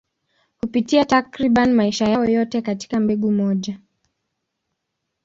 Hupitia takriban maisha yao yote katika mbegu moja.